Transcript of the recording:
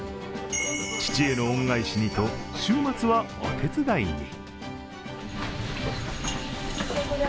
父への恩返しにと週末はお手伝いに。